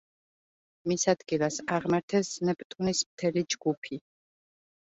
მის ადგილას აღმართეს ნეპტუნის მთელი ჯგუფი.